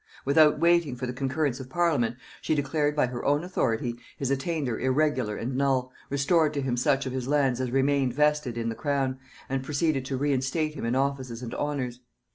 Without waiting for the concurrence of parliament, she declared by her own authority his attainder irregular and null, restored to him such of his lands as remained vested in the crown, and proceeded to reinstate him in offices and honors.